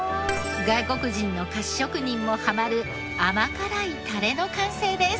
外国人の菓子職人もハマる甘辛いタレの完成です。